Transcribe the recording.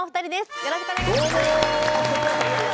よろしくお願いします。